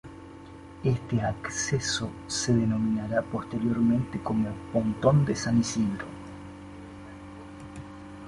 Este acceso se denominará posteriormente como "pontón de San Isidro".